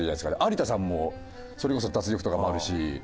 有田さんもそれこそ『脱力』とかもあるし。